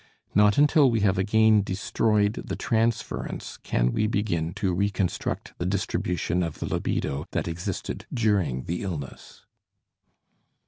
Not until we have again destroyed the transference can we begin to reconstruct the distribution of the libido that existed during the illness.